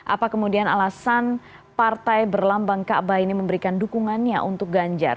apa kemudian alasan partai berlambang ⁇ aabah ini memberikan dukungannya untuk ganjar